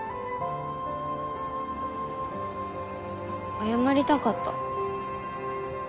謝りたかった。